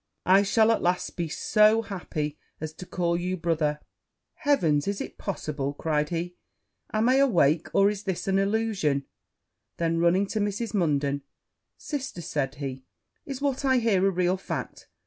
I shall at last be so happy as to call you brother.' 'Heavens! is it possible?' cried he. 'Am I awake, or is this illusion!' Then running to Mrs. Munden, 'Sister,' said he, 'is what I hear a real fact?